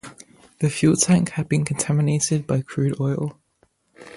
The fuel tank had been contaminated by crude oil.